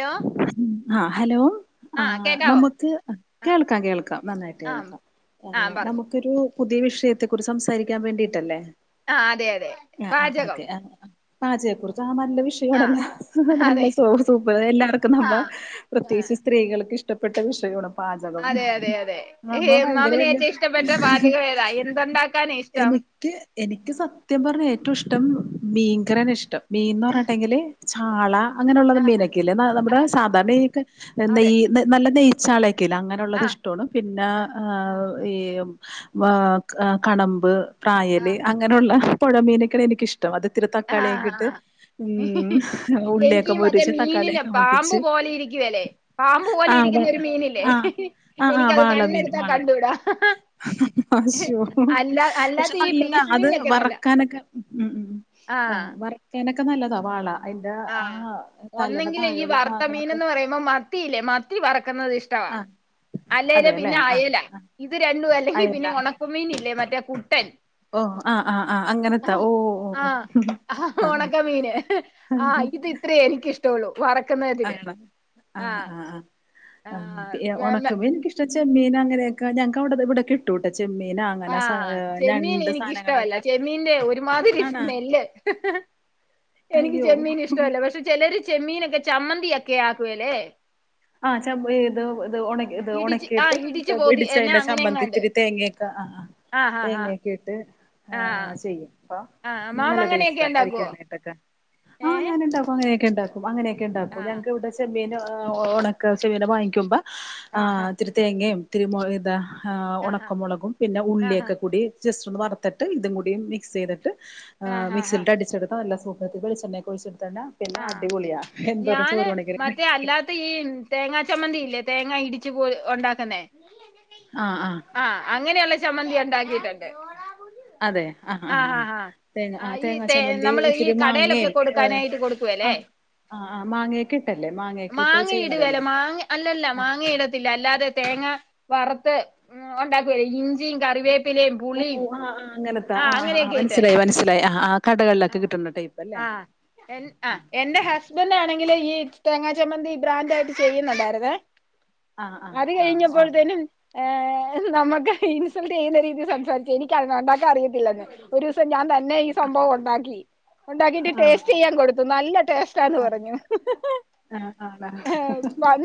Hello ഉം ആഹ് hello ആ ആഹ് കേക്കാവോ നമുക്ക് ആ കേൾക്കാം കേൾക്കാം നന്നായിട്ട് ആ കേൾക്കാം ആ ആഹ് പറഞ്ഞു നമുക്കൊരു പുതിയ വിഷയത്തെ കുറിച്ച് സംസാരിക്കാൻ വേണ്ടിയിട്ടല്ലേ ആഹ് അതെ അതെ പാചകം പാജെയെക്കുറിച്ച് ആഹ് നല്ല ആ വിഷയാണല്ല അതെ നല്ലെ സോർ സൂ പ്പെ എല്ലാർക്കും ആ നമ്മ ആ, പ്രത്യേകിച്ച് സ്ത്രീകൾക്ക് ഇഷ്ടപ്പെട്ട വിഷയൊണ് പാചകം അതെ അതെ അതെ ഏ, നമ്മ ഭയങ്കെരെ മാമിന് വെല്ല്യ ഏറ്റവും ഇഷ്ടപ്പെട്ട പാചകം ഏതാ എന്തുണ്ടാക്കാനാ ഇഷ്ടം എനിക്ക് എനിക്ക് സത്യം പറഞ്ഞാ ഏറ്റവും ഇഷ്ട്ടം മീൻകറിയാണ് ഇഷ്ട്ടം മീൻന്ന് പറഞ്ഞിണ്ടെങ്കില് ചാള അങ്ങനെയുള്ളത് ആ മീനൊക്കെല്ലേ ആ നമ്മുടെ ആ, സാധാരണ ഈ ഒക്കെ അതെ നെയ് ന്ന് നല്ല നെയ്യ്ചാളൊക്കെയില്ലെ അങ്ങനെയുള്ളത് ആ ഇഷ്ട്ടോണ് പിന്നെ ആ ആ ആഹ് ഈവ് വാ കടമ്പ് ആ പ്രായല് അങ്ങനെയുള്ള പുഴമീനൊക്കെ എനിക്കിഷ് ട്ടം അത് ഇതിരി ആ തക്കാളിയൊക്ക ഇട്ട് ആ, ആ. ഉം ഉള്ളിലൊക്കെ പൊരിച്ച് ത മീനില്ലെ പാമ്പു പോലെ ഇരിക്കുവേലെ പാമ്പ് പോലെ ആ ഇരിക്കുന്ന വ- ഒരു മീനില്ലേ ആ ആ ആ എനിക്ക് അത് കണ്ണ് വാളമീൻ എടുത്താ വാള കണ്ടൂടാ അശോ അല്ല പക്ഷെ അല്ലാത്ത ഈ നല്ലതാ പീസ് അത് മീനൊക്കെ നല്ല വറക്കാനൊക്കെ ഉംഉം ആ അഹ് വർക്കാനൊക്കെ നല്ലതാ വാള അതിന്റെ ആഹ് ഒന്നെങ്കില് ഈ വറുത്ത മീനെന്ന് പറയുമ്പോ മത്തിയില്ലേ മത്തി വറക്കുന്നത് ഇഷ്ടവാ ആഹ് അല്ലേല് അതെല്ലേ പിന്നെ ആഹ് അയല ആഹ് ഇത് രണ്ടും അല്ലെങ്കിൽ അയല പിന്നെ ഉണക്കമീൻ ഇല്ലേ മറ്റേ കുട്ടൻ ഓ ആഹ് ആഹ് ആഹ് അങ്ങനത്താ ആഹ് ഓ ഓ ആഹ് ആഹ് ഉണക്കമീന് ആഹ് ഇത് ഇത്രേ എനിക്കിഷ്ടൊള്ളു വറക്കുന്ന ആഹ് ആഹ് ആഹ് ആഹ് ആഹ് ഉണക്ക മീൻക്കിഷ് ചെമ്മീനങ്ങനെയൊക്ക ഞങ്ങക്കവടെ ഇവിടെ കിട്ടൂട്ട ചെമ്മീന ആഹ് ചെമ്മീന് എനക്കിഷ്ടമല്ല ചെമ്മീന്റെ ഒരുമാതിരി ആണോ സ്മെല്ല് എനിക്ക് അയ്യോ ചെമ്മീന്ഷ്ടമല്ല പക്ഷെ ചെലര് ചെമ്മീനൊക്കെ ചമ്മന്തി ഒക്കെ ആക്കുവല്ലേ ആഹ് ച ഇത് ഇത് ഉണ ഇത് ഇടിച്ച് ആഹ് ഉണക്കിയിട്ട് ഇടിച്ചു പോതി എന്നാ ഇടിച്ചതിന്റെ ചമ്മന്തി അങ്ങനെയെങ്ങാണ്ട് ഇത്തിരി തേങ്ങയൊക്കെ ആഹ് ആഹ് ആഹ് ആഹ് തേങ്ങയൊക്കെ ഇട്ട് ആഹ് ചെയ്യും അപ്പൊ ആഹ് മാമ നല്ല അങ്ങനെയൊക്കെ ടേസ്റ്റാ ഉണ്ടാക്കുവോ കഴിക്കാനായിട്ടൊക്കെ ആഹ് ഏഹ് ഞാനുണ്ടാക്കും ങ്ങനെയൊക്കെണ്ടാക്കും അങ്ങനെയൊക്കെണ്ടാക്കും ആഹ് ഞങ്ങക്കിവിടെ ചെമ്മീന ആഹ് ഉണക്ക ചെമ്മീന് വാങ്ങിക്കുമ്പോ ആഹ് ത്തിരി തേങ്ങയും തിരുമ ഇത ആഹ് ഉണക്കമുളകും പിന്നെ ആഹ് ഉള്ളിയൊക്കെ കൂടി ജസ്റ്റ് ഒന്ന് വറത്തിട്ട് ഇതും കൂടി മിക്സ് ചെയ്തിട്ട് ആഹ് മിക്സിയിലിട്ട് അടിച്ചെടുത്ത നല്ല സു വെളിച്ചണ്ണെക്കൊഴ്ച്ചെടുത്ത പിന്നെ ആഹ് അടിപൊളിയാ എന്തോരം ഞാന് ചോറ് വേണെങ്കിലും മറ്റേ കഴിക്ക അല്ലാത്ത ഈ തേങ്ങാ ചമ്മന്തിയില്ലേ തേങ്ങാ ഇടിച്ചു പോ ഉണ്ടാക്കുന്നേ ആഹ് ആഹ് ആഹ് അങ്ങനെയുള്ള ചമ്മന്തി ഉണ്ടാക്കിട്ടുണ്ട് അതെ ആഹ് ആഹ് ആഹ് തേങ്ങ ആഹ് ഈ തേങ്ങാ തേ ചമ്മന്തി നമ്മള് ഈ ഇത്തിരി കടയിലൊക്കെ മാങ്ങയും ഏർ കൊടുക്കാനായിട്ട് കൊടുക്കുവല്ലേ ആഹ് ആഹ് ആഹ് മാങ്ങയൊക്കിട്ടല്ലേ മാങ്ങയൊക്കെട്ട് മാങ്ങ ഇടുവേല ചെയ്യണതല്ലേ മാങ്ങ അല്ലല്ല ആഹ് മാങ്ങയിടത്തില്ല അല്ലാതെ തേങ്ങ വറുത്ത് ഉം ഉണ്ടാക്കൊ ഇഞ്ചിയും കറിവേ ഓ ആഹ് ആഹ് അങ്ങനത്ത ആഹ് ആഹ് അങ്ങനത്തെ ആഹ് അങ്ങനെയൊക്കെ ഇട്ട് മനസ്സിലായി മനസ്സിലായി ആഹ് ആഹ് കടകളിലൊക്കെ കിട്ടുന്ന ടൈപ്പ് അല്ലേ ആഹ് എൻ അ എന്റെ ഹസ്ബന്റാണെങ്കില് ഈ തേങ്ങാ ചമ്മന്തി ബ്രാൻഡായിട്ട് ചെയ്യുന്നുണ്ടായിരുന്നേ ആഹ് ആഹ് അത് ആഹ് ആഹ് കഴിഞ്ഞപ്പോഴത്തേനും ഏഹ് നമുക്ക് ഇൻസൾട്ട് ചെയ്യുന്ന രീതിയിൽ സംസാരിച്ചു എനിക്കത്ണ്ടാ ക്കറിയത്തില്ലെന്ന് ഒരൂസം ഞാൻ തന്നെ ഈ സംഭവം ഉണ്ടാക്കി ഉണ്ടാക്കീട്ട് ആഹ് ടേസ്റ്റ് ചെയ്യാൻ കൊടുത്തു നല്ല ടേസ്റ്റാന്ന് പറഞ്ഞു ആണാ പൺ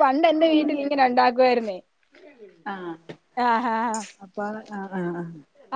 പണ്ടെന്റെ വീട്ടിലിങ്ങനെ ഉണ്ടാക്കുവായിരുന്നേ ആ ആഹാ പ ആഹ് ആഹ് ആഹ്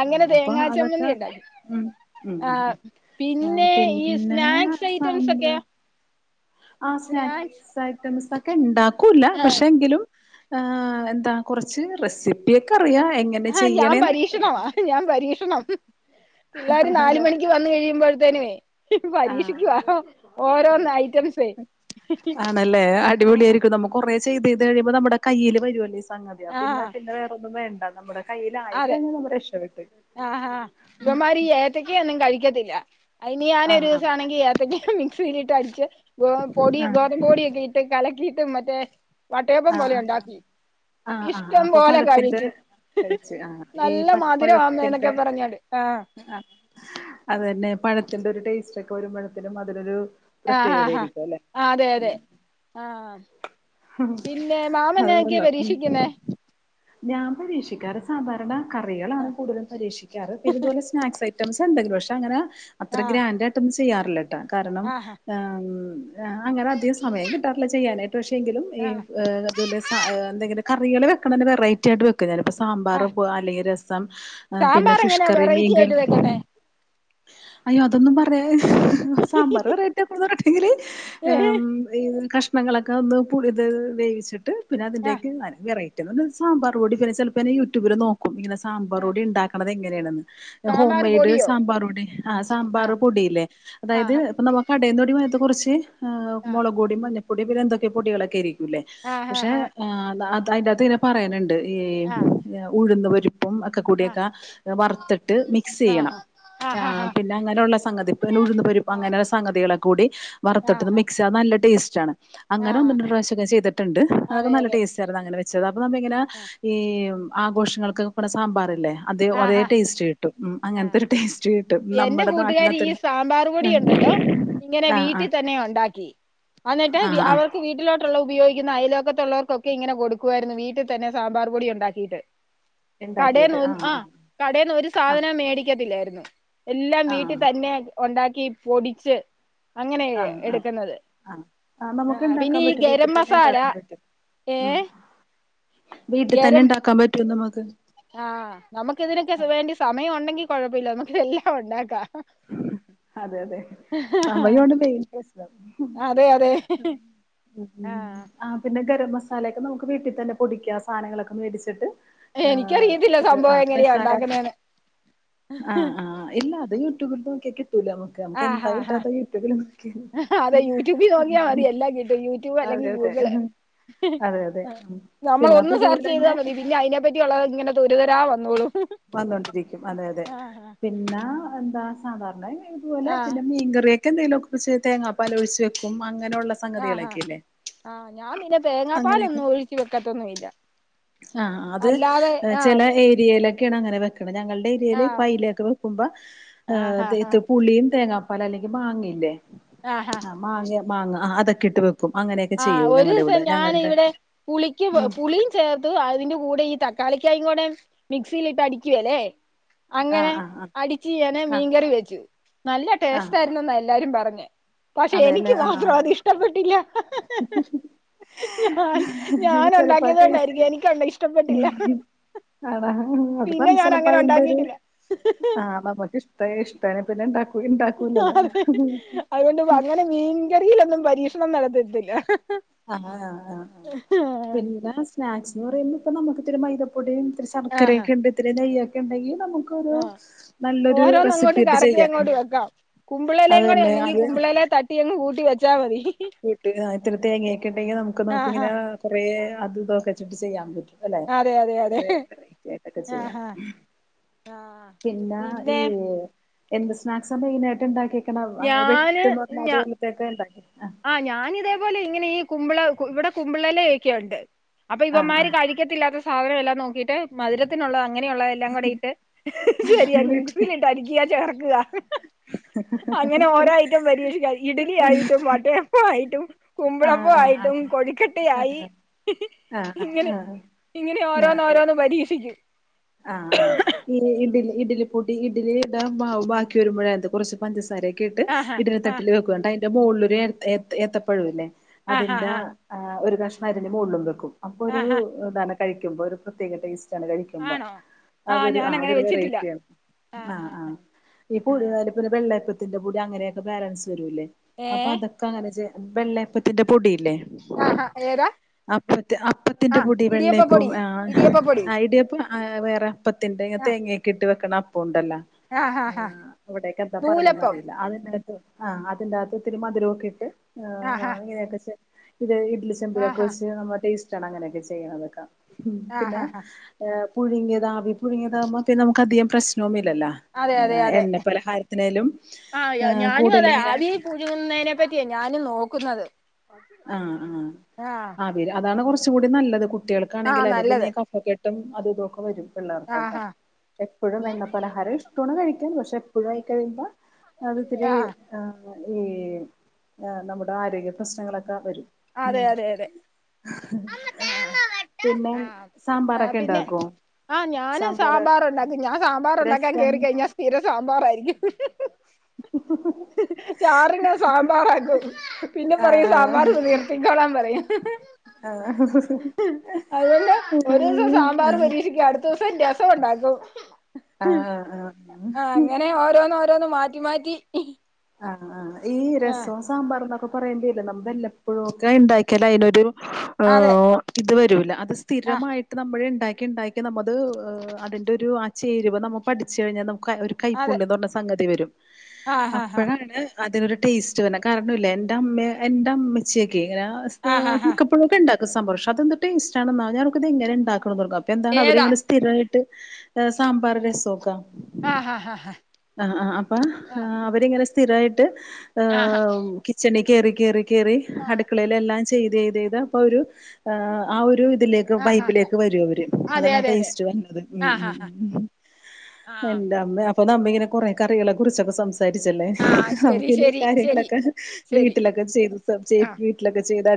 അങ്ങനെ ആഹ് അപ്പൊ തേങ്ങാ അതൊക്കെ ചമ്മന്തിയുണ്ടാക്കി ഉം ഉം ഉം ആഹ് ആഹ് പിന്നെ ഈ പിന്നെ സ്നാക്സ് ഐറ്റംസ് ഒക്കെ ആഹ് സ്നാക്സ് ഐറ്റംസ് ഒക്കെണ്ടാക്കൂല്ല ആഹ് പക്ഷെ എങ്കിലും ആഹ് എന്താ കുറച്ച് റെസിപ്പിയൊക്കെ അറിയാം എ ആഹ് ഞാൻ പരീക്ഷണമാ ഞാൻ പരീക്ഷണം പിള്ളേര് നാല് അതെ മണിക്ക് വന്നു കഴിയുമ്പോഴത്തേനേ ആഹ് പരീക്ഷിക്കുവാ ഓരോന്നായി ആണല്ലേ അടിപൊളിയായിരിക്കും നമു കുറേ ചെയ്തെയ്ത് കഴിയുമ്പോ നമ്മുടെ കയ്യില് വരുവല്ലൊ ഈ സംഗതിയാ പിന്നെ ആഹ് പിന്നെ വേറൊന്നും വേണ്ട നമ്മുടെ അതെ കയ്യിലായിക്കഴിഞ്ഞാ നമ്മ രക്ഷപ്പെട്ട് ത്തക്ക ഒന്നും കഴിക്കത്തില്ല അയ്നി ഞാനൊരു ആഹ് ആഹ് ദിവസാണെങ്കി ഏത്തക്ക മിക്സീലിട്ട് അടിച്ച് ഗ പൊടി ആഹ് ഗോതമ്പ് പൊടിയൊക്കെ ഇട്ട് കലക്കീട്ട് മറ്റേ വട്ടയപ്പം ആഹ് പോലെ ആഹ് ഉണ്ടാക്കി ആഹ് ആഹ് ആഹ് ഇഷ്ടം അപ്പൊ പോലെ പഴത്തിന്റെ കഴിക്കും കഴിച്ച് ആഹ് ഈ പപ്പഴത്തിന്റെ പറഞ്ഞോണ്ട് ആഹ് ആഹ് അതന്നെ പഴത്തിന്റെ ഒരു ടേസ്റ്റോക്കെ വരുമ്പഴത്തിനും അതിനൊരു ആഹ് ഹാ ഹാ പ്രത്യേകതയായിരിക്കും അല്ലെ ആതെ അതെ ആഹ് പിന്നെ ന്നെ അത് മാമന്നതൊക്കയാ കൊള്ളാം ഉം പരീക്ഷിക്കുന്നേ ഞാൻ പരീക്ഷിക്കാറ് സാധാരണ കറികളാണ് കൂടുതലും പരീക്ഷിക്കാറ് പിന്നിതുപോലെ സ്നാക്സ് ഐറ്റംസ്ണ്ട് ഒരു പക്ഷേ അങ്ങനെ അത്ര ആ ഗ്രാൻഡായ്ട്ടൊന്നും ചെയ്യാറില്ലട്ടാ കാരണം ആഹ് അൻ ആ അങ്ങനെ അധികം സമയം കിട്ടാറില്ല ചെയ്യാനായിട്ട് പക്ഷെങ്കിലും ഈ ആഹ് ആഹ് ഏഹ് [unintelligible] രസ ഏഹ് എന്തെങ്കിലും കറികള് വെക്കണെത് വെറൈറ്റി ആയിട്ട് വെക്കും ഞാന് ഇപ്പോ സാമ്പാറ് ആഹ് അല്ലെങ്കി രസം രസം ഏഹ് പിന്നെ സാമ്പാർ ഫിഷ് എങ്ങനാ കറി വെറൈറ്റി മീൻ കറി ആയിട്ട് വെക്കുന്നേ അയ്യോ അതൊന്നും പറയാ സാമ്പാറ് വെറൈറ്റിയ പറണ്ടെങ്കില് ഏഹ് ഉം അതീന്ന് കഷ്ണങ്ങളൊക്കെ ഒന്ന് പുഴിത് വേവിച്ചിട്ട് പിന്നെ അതിൻ്റെ ആ ഒക്കെ വെറൈ [unintelligible] സാമ്പാർപ്പൊടി പിന്നെ ചെലപ്പ ഞാന് യൂട്യൂബില് നോക്കും ഇങ്ങനെ ആ സാമ്പാർപ്പൊടി ഇണ്ടാക്ക്ണത് എങ്ങനേണെന്ന്. ഹോം സാമ്പാർ മെയ്ഡ് പൊടിയോ സാമ്പാർപ്പൊടി ആ സാമ്പാർ ആഹ് പൊടിയില്ലേ അതായത് ആഹ് ഇപ്പം നമ കടയിൽ തൊടി മയത്തെ കുറിച്ച് ഏഹ് ആഹ് മുളക് പൊടിം മഞ്ഞപ്പൊടി പിന്നെ എന്തൊക്കെയെ പൊടികളൊക്കെ ആയിരുക്കുലേ പക്ഷെ ആഹ് അത അത അയിന്റെകത്ത് ഇങ്ങനെ പറയ്ന്ണ്ട് ഈ ആഹ് ഉഴുന്നു പരിപ്പും ഒക്കെ കൂടിയൊക്ക ആഹ് വറുത്തിട്ട് മിക്സ് ചെയ്യണം. ആഹ് പിന്നെ അങ്ങനെയുള്ള സംഗതി പിന്നെ ഉഴുന്നു പരിപ് ആഹ് അങ്ങനെള്ള സംഗതികളെ കൂടി വറുത്തിട്ട് ആഹ് ആഹ് മിക്സ് അത് നല്ല ടേസ്റ്റാണ് അങ്ങനെ ഒന്ന് ആഹ് രണ്ട് പ്രവിശ്യക്കെ ചെയ്തിട്ടുണ്ട് അത്ക്കെ അതെ നല്ല അതെ ടേസ്റ്റ് ആണ് അതങ്ങനെ വെ ച്ചത് അപ്പൊ നമ്മ ഇങ്ങനെ ആഹ് ഈ ആഘോഷങ്ങൾക്ക് വെക്കണ സാമ്പാറില്ലേ അത് അതേ ആഹ് ടേസ്റ്റ് കി ട്ടും ഉം അങ്ങൻത്തെ ആഹ് ഒരു ടേസ്റ്റ് കിട്ടും എന്റെ നമ്മുടെ നാട്ടിൽ കൂട്ടുകാരി ഈ അത്രയും സാമ്പാർ പൊടിയുണ്ടല്ലോ ഇങ്ങനെ [inaudible] ആഹ് ആഹ് വീട്ടിൽ തന്നെ ഒണ്ടാക്കി അന്നിട്ട് വി ആഹ് ആഹ് അവ് വീട്ടിലോട്ടുള്ള ഉപയോഗിക്കുന്ന അയലോക്കത്തുള്ളവർക്കൊക്കെ ഇങ്ങനെ കൊടുക്കുവായിരുന്നു വീട്ടിൽ തന്നെ സാമ്പാർപ്പൊടി ഉണ്ടാക്കിയിട്ട് കടേന്ന് ഇണ്ടാക്കിയിട്ട് ഒൻ ആഹ് ആ ആഹ് കടേന്ന് ഒരു ആഹ് സാധനോം മേടിക്കത്തില്ലായിരുന്നു. എല്ലാം ആഹ് വീട്ടിൽ തന്നെ ഒണ്ടാക്കി പൊടിച്ച് അങ്ങനേ ആഹ് ആഹ് എടുക്കുന്നത് ആഹ് ആഹ് ആ നമുക്ക് പിന്നെ ഇണ്ടാക്കാൻ ഈ പറ്റും വീട്ടിൽ ഗരം തന്നെ മസാല ഇണ്ടാക്കാൻ ഏഹ് വീട്ട് തന്നെണ്ടാക്കാൻ പറ്റും നമുക്ക് ആഹ് നമുക്ക് ഇതിനൊക്കെ വേണ്ടി സമയം ഉണ്ടെങ്കിൽ കുഴപ്പമില്ല നമുക്കിതെല്ലാം ഒണ്ടാക്കാം. അതെ അതെ സമയു ആണ് മെയിൻ പ്രശ്നം. അതെ അതെ ആഹ് ആഹ് പിന്നെ ഗരം മസാലയൊക്കെ നമുക്ക് വീട്ടിൽ തന്നെ പൊടിക്ക്യാ സാധനങ്ങളൊക്കെന് മേടിച്ചിട്ട്. ആഹ് എനിക്കറിയത്തില്ല ഇത് സംഭവം ആഹ് എങ്ങനെയാ മസാല ഉണ്ടാക്കുന്നതെന്ന് ആഹ് ആഹ് ഇല്ല അത് യൂട്യൂബിൽ നോക്കിയാ കിട്ടുല്ലേ നമ ആഹ് ആഹ് ആഹ് അതെ യൂട്യൂബിൽ നോക്കിയാൽ ഉം മതി എല്ലാം കിട്ടും യൂ യുട്യൂബ് അല്ലെങ്കിൽ അതെ അതെ ഗൂഗിള് അതെ അതെ ഉം നമ്മള് പിന്നെ അപ്പൊ ഒന്ന് സെർച്ച് ചെയ്താൽ ഇതുപോലെന്നെ മതി പിന്നെ അയിനെ പ ബാക്കി ഉള്ളതങ്ങനെ തുരു തുരാ വന്നോളും വന്നോണ്ടിരിക്കും അതെ അതെ ആഹ് പിന്നാ എന്താ സാധാരണെ ഇത് പോലെ ആഹാ പിന്നെ മീൻ കറിയൊക്കെ എന്തെലും ഒക്കെ ഒഴിച്ച് തേങ്ങാപ്പാലൊഴിച്ചു വെക്കും അങ്ങനെയുള്ള സ ആഹ് ആഹ് ആഹ് ഞാൻ പിന്നെ അങ്ങനെയൊക്കെ തേങ്ങാപ്പാലൊന്നും ഒഴിക്കി വെക്കത്തൊന്നുല്ല. ആഹ് അ അത് ചില ഏരിയയിലൊക്കെയാണ് അങ്ങനെ വെക്കണത് ഞങ്ങളുടെ അവിയല് ആഹ് പെെലേക്കൊ വെക്കുമ്പോ ഏഹ് ആഹാ ഹാ തേത് പുളിയും തേങ്ങാപ്പാല് അല്ലെങ്കിൽ മാങ്ങ ഇല്ലേ ആഹാ ആ മാങ്ങ മാങ്ങ ആ അതൊക്കെ ഇട്ട് വെ ക്കും അങ്ങനെ ആഹ് ഒരു ദിവസം ഞാൻ ഇവിടെ പുളിക്ക് പു ഉം പുളി ചേർത്ത് അതിന്റെ കൂടെ ഈ തക്കാളിക്കായും കൂടെ മിക്സിലിട്ട് അടിക്കേലെ. അങ്ങനെ ആഹ് ആഹ് ആഹ് അടിച്ചു ഞന് ആഹ് മീൻകറി വെച്ചു നല്ല ആഹ് ടേസ്റ്റ് ആയിന്നെന്നാ എല്ലാരും പറഞ്ഞെ പക്ഷെ അതെല്ലേ എനിക്ക് ആഹ് മാത്രം അത് ഇഷ്ടപ്പെട്ടില്ല. [unintelligible] ഞാൻ ഞാൻ ചെലപ്പോ അത് ഉണ്ടാക്കിയത് ടേസ്റ്റ്. കൊണ്ടായിരിക്കും എനിക്കുണ്ട ഇഷ്ടപ്പെട്ടില്ല [unintelligible] ആണോ അത് പിന്നെ ഞാൻ [unintelligible] അങ്ങനെ അതിന്റെ ഒരു ഉണ്ടാക്കിയിട്ടില്ല ആ അമ്മാമക് ഇഷ്ട ഇഷ്ടയാ പിന്നെ ഇണ്ടാക്കൂ ഇണ്ടാക്കൂലല്ലോ. അതെ അതുകൊണ്ട് അങ്ങനെ മീൻകറിയിലൊന്നും പരീക്ഷണം നടത്തിട്ടില്ല. ആഹ് ആഹ് ആഹ് ആഹ് പിന്നെ സ്നാക്സ്ന്ന് പറയുമ്പോ ഇപ്പൊ നമുക്ക് ഇത്തിരി മൈതപ്പൊടിയുംത്തി ശർക്കരയുംക്കെണ്ട് ഇത്തിരി നെയ്യൊക്കെ ഉണ്ടെക്കിൽ നമു ആഹ് ഓരോന്നും അങ്ങോട്ട് കറകി ചെയ്യാം അങ്ങോട്ട് വെക്കാം അത് തന്നെ കുമ്പിളലുണ്ടെങ്കി അത് കുമ്പിളല ത ട്ടിയങ് കൂട്ടി വച്ചാ മതി [unintelligible] ത്തര തേങ്ങൊക്കെണ്ടെങ്കിൽ നമുക്ക് ആഹാ നമുക്ക്ങ്ങനെ കൊറേ അതുതൊക്കെച്ചിട്ട് ചെയ്യാൻ പറ്റും അല്ലെ അതെ അതെ അതെ കുറെ വെറൈറ്റി ആയിട്ടൊക്കെ ചെയ്യാം ആഹാ ആ പിന്നെ ഈ എന്ത സ്നാക്സ് മെയിനായിട്ട് ഇണ്ടാക്കി ക്കനെ അങ്ങനെ ഞാന് പെട്ടന്ന് പറഞ്ഞ അതുപോലത്തെക്കെണ്ടാക്കി അഹ് ഞാന് ഇതേപോലെ ഇങ്ങനെ ഈ കുമ്പള ഇവിടെ കുമ്പിളെല ഒക്കെണ്ട് അപ്പൊ ആഹ് ഇവമാര് ആഹ് കഴി ക്കത്തില്ലാത്ത സാധനം എല്ലാം നോക്കിയിട്ട് മധുരത്തിനുള്ള അങ്ങനെയുള്ള എല്ലാകൂടെയിട്ട് എല്ലാം ശരിയാക്കി കൂടി ഇട്ട് മിക്സിലിട്ട് അരക്ക ചേർക്ക അങ്ങനെ ഓരോ ഐറ്റം പരീക്ഷിക്കാ ഇഡലി ആയിട്ടും മട്ടയപ്പായിട്ടും ആഹ് ആഹ് കുമ്പളപ്പആയിട്ടും കൊഴിക്കട്ടായി ആഹ് ആഹ് ആഹ് ഇങ്ങനെ ആഹ് ഇങ്ങനെ ഓരോന്ന് ആഹ് ഓരോന്ന് പരീക്ഷിക്കും ആഹ് ആഹ് ഈ ഇഡ ഇഡലി പൂട്ടി ഇഡലി ഇട ബാക്കി വരുമ്പോഴ കുറച്ച് പഞ്ചസാരയൊക്കെ ഇട്ട് ആഹാ ഇടലി ആഹ് തട്ടില് വെക്കു അണ്ട് അയ്ന്റെ മോൾല് ഒരു ഏര് ഏ എത്തപ്പഴുല്ലേ ആഹാ അതിന്റെ ഹാ ഒരു ആഹ് കഷ്ണംതിന്റെ മോൾളും വെക്കും അപ്പൊ ഒരു ആഹാ നന കഴിക്കുമ്പോൾഒരു പ്രത്യേക ടേസ്റ്റാണ് കഴിക്കു ആണോ അതൊരു ആഹ് ഞാനങ്ങനെ അതൊരു വെച്ചിട്ടില്ല വെറേയ്റ്റിയാണ് ആഹ് ആഹ് ഈ ആഹ് [unintelligible] പിന്നെ വെള്ളയപ്പത്തിന്റെ പൊടി അങ്ങനെയൊക്കെ ബാലൻസ് വരൂല്ലേ അപ്പൊ ഏഹ് അതൊ ക്കാങ്ങനെചെ വെള്ളയപ്പത്തിന്റെ പൊടിയില്ലേ ആഹാ ഏതാ അപ്പത്തി അപ്പത്തിന്റെ ആഹ് പൊടി വെള്ളയപ്പ ഇടിയപ്പപ്പൊടി ആഹ് ഇടിയപ്പപ്പൊടി ഐഡിയ ആഹ് വേറെ അപ്പത്തിന്റെ ഇങ്ങെ ആഹ് തേങ്ങയൊക്കെ ഇട്ട് വെക്കണ അപ്പം ഉണ്ടല്ലോ ആഹ് അവിടേക്കെന്താ പറയണന്ന് നൂലപ്പം അറിയില്ല അതനെ ആഹ് അതിന്റെത് ഒത്തിരി മധുരോക്കെട്ട് ഏഹ് ആഹ് ഇങ്ങനൊക്കെ ചെ [unintelligible] ഇട്ലി ചെമ്പിലൊക്കെ ആഹ് വെച്ച് നമ്മ ടേസ്റ്റ് ആണ് അങ്ങനെയൊക്കെ ചെയ്യുന്നതൊക്കെ ആഹ് പിന്നെ ആഹ് ആഹ് ഏഹ് പുഴുങ്ങിയതാവി പുഴുങ്ങിയതാവുമ്പ പിന്നെ നമുക്ക് അധികം പ്രശ്നോന്നില്ലല്ലോ അതെ അതെ അതെ എണ്ണ പലഹാരത്തിനാലും ഏഹ് കൂടുതലിങ്ങനെ ഴുന്നെനെ പറ്റിയെ ഞാനും നോക്കുന്നത് ആഹ് ആഹ് ആഹ് അവര് അതാണ് കുറച് കൂടി നല്ലത് കുട്ടികൾക്കാണെങ്കി ആഹ് അല്ലെ പിന്നെ നല്ലത് കഫകെ ട്ടും അതുതൊക്കെ വരും പിള്ളേർക്കൊക്കെ ആഹ് ആഹ് എപ്പഴും എണ്ണ പലഹാരം ഇഷ്ടാണ് കഴിക്കാൻ പക്ഷെ എപ്പഴും ആയി കഴിയുമ്പോ അത് തിരി ആഹ് ആഹ് ഈ നമ്മുടെ ആരോഗ്യ പ്രശ്നങ്ങളൊക്കെ വരും ഉം അതെ അതെ അതെ പിന്നെ ആഹ് ആഹ് സാമ്പാറൊക്കെ പിന്നെ ഇണ്ടാക്കോ ആഹ് ഞാന് സാമ്പാറ്ണ്ടാക്കും ഞാൻ സാമ്പാറ് ഉണ്ടാക്കാൻ രസം കേറി കഴിഞ്ഞാ സ്ഥിര സാമ്പാറായിരിക്കും ചാറിന സാമ്പാറാകും പിന്നെ പറയാ ആഹ് സാമ്പാർ കു ഇ കൊളാം പറയും ആഹ് ആഹ് അതുഅല്ല ഒരീസം സാമ്പാറ് പരീക്ഷിക്ക അടു തു സന്യാസോണ്ടാകും ആഹ് ആഹ് ആഹ് അങ്ങനെ ഓരോന്ന് ഓരോന്ന് മാറ്റി മാറ്റി ആഹ് ആഹ് ഈ ആ രസം സാമ്പാർന്നൊക്കെ പറയുമ്പോയില്ലേ നമ്മ വല്ലപ്പോഴും ഒക്കെ ഉണ്ടാക്കിയാലേ അതിനൊരു അതെ ഏഹ് ഇത് വരൂല്ല അത് ആ സ്ഥിരമായിട്ട് നമ്മൾ ഉണ്ടാക്കി ഉണ്ടാക്കി നമ്മത് അതിൻ്റെ ഒരു ആഹ് ചേരുവ നമ്മൾ പഠിച്ചു കഴിഞ്ഞാൽ നമുക്ക് ഒരു അതെ കൈപ്പുണ്യം എന്ന് പറഞ്ഞ സംഗതി വരും ആ ഹാ ഹാ അപ്പോഴാണ് അതിനൊരു ടേസ്റ്റ് വരണെ കാരണില്ലേ എന്റെ അമ്മ എന്റെ അമ്മച്ചിയൊക്കെ ഇങ്ങനെ ആ ഹാ ഹാ മിക്കപ്പോഴൊക്കെ ഉണ്ടാക്കും സാമ്പാറ് പക്ഷെ അതെന്ത് ടേസ്റ്റ് ആണെന്നോ ഞാനോർക്കും ഇത് ഇങ്ങനെ ഇണ്ടാക്കണെന്ന് ഓർക്കും എന്താണ് ഏതാ അവരിങ്ങനെ സ്ഥിരമായിട്ട് സാമ്പാറ് രസമൊക്കെ ആഹ് ആഹ് അപ്പൊ അവരിങ്ങനെ സ്ഥിരായിട്ട് ആ കിച്ചണിൽ കേറി കേറി കേറി ആ അടുക്കളയില് എല്ലാം ചെയ്ത് ചെയ്ത് ചെയ്ത് അപ്പൊ ആഹ് ഒരു ഇതിലേക്ക് ആ ഹാ വൈബിലേക്ക് വരും അവര് അതെ അതാണ് ആഹ് അതെ അതെ ടേസ്റ്റ് വന്നത് ഉം ആ ഹാ ഉം ഹാ ഉം ഉം ആ എന്റെ അമ്മേ അപ്പൊ നമ്മ ഇങ്ങനെ കൊറേ കറികളെ കുറിച്ചൊക്കെ സം സാരിച്ചല്ലേ ആ ശരി നമുക്ക് ഇനി ശരി ശരി കാര്യങ്ങളൊക്കെ ശരി വീട്ടിലൊക്കെ ചെയ്ത് ചേ ആ ലൊക്കെ ചെയ്ത് അടി